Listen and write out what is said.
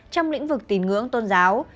trong lĩnh vực tín ngưỡng tôn giáo